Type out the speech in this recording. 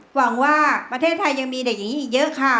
หวังว่าประเทศไทยยังมีเด็กอย่างนี้อีกเยอะค่ะ